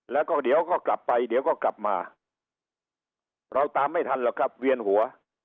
แล้วก็เดี๋ยวก็กลับไปเดี๋ยวก็กลับมาเราตามไม่ทันหรอกครับเวียนหัว